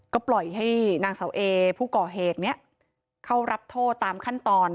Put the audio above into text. ก็ปล่อยให้นางเสาเอผู้ก่อเหตุนี้เข้ารับโทษตามขั้นตอน